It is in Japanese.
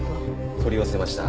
取り寄せました。